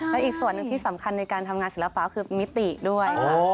และอีกส่วนหนึ่งที่สำคัญในการทำงานศิลปะคือมิติด้วยค่ะ